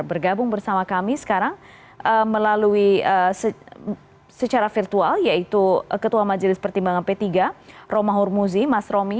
bergabung bersama kami sekarang melalui secara virtual yaitu ketua majelis pertimbangan p tiga roma hurmuzi mas romi